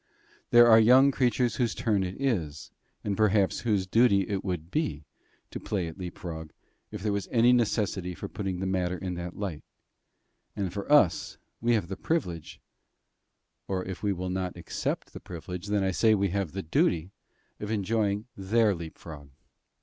There are young creatures whose turn it is, and perhaps whose duty it would be, to play at leap frog if there was any necessity for putting the matter in that light; and for us, we have the privilege, or if we will not accept the privilege, then I say we have the duty, of enjoying their leap frog.